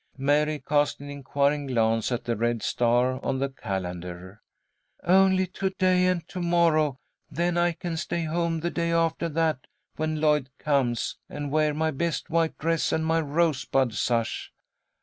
Mary cast an inquiring glance at the red star on the calendar. "Only to day and to morrow, then I can stay home the day after that when Lloyd comes, and wear my best white dress and my rosebud sash."